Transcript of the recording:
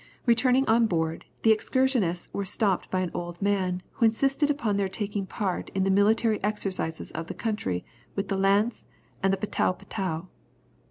Returning on board, the excursionists were stopped by an old man, who insisted upon their taking part in the military exercises of the country with the lance and the patou patou.